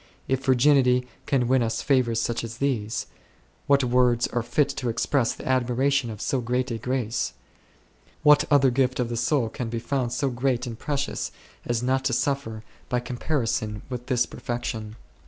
If virginity then can win us favours such as these, what words are fit to express the admiration of so great a grace? What other gift of the soul can be found so great and precious as not to suffer by comparison with this perfection